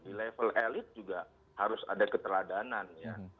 di level elit juga harus ada keteladanan ya